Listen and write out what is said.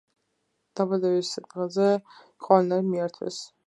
დაბადების დღეზე ყვავილნარი მომართვეს.